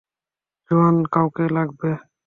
জোয়ান কাউকে লাগবে!